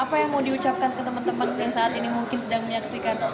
apa yang mau diucapkan ke teman teman yang saat ini mungkin sedang menyaksikan